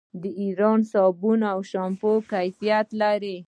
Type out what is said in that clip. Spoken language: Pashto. د ایران صابون او شامپو کیفیت لري.